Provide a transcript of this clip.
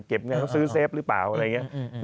เก็บเงินเขาซื้อเซฟหรือเปล่าอะไรอย่างนี้